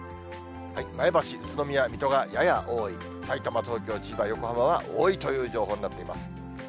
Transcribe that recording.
前橋、宇都宮、水戸がやや多い、さいたま、東京、千葉、横浜は多いという情報になっています。